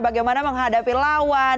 bagaimana menghadapi lawan